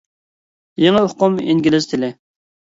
يېڭى ئۇقۇم ئىنگلىز تىلى.